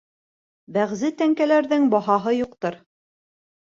Бәғзе тәңкәләрҙең баһаһы юҡтыр.